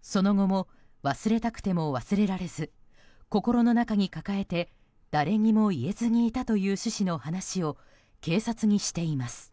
その後も忘れたくても忘れられず心の中に抱えて誰にも言えずにいたという趣旨の話を警察にしています。